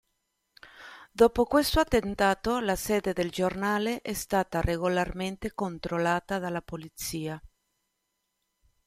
Dopo questo attentato, la sede del giornale è stata regolarmente controllata dalla polizia.